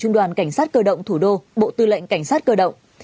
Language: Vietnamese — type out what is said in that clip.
trung đoàn cảnh sát cơ động thủ đô bộ tư lệnh cảnh sát cơ động